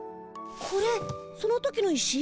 これその時の石？